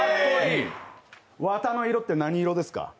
綿の色って何色ですか？